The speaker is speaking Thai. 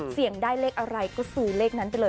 เสี่ยงได้เลขอะไรก็ซูเลขนั้นไปเลย